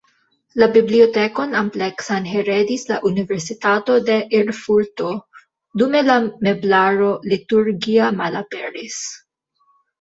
La bibliotekon ampleksan heredis la Universitato de Erfurto, dume la meblaro liturgia malaperis.